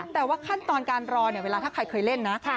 แต่ว่าขั้นตอนการรอเนี่ยเวลาถ้าใครเคยเล่นนะ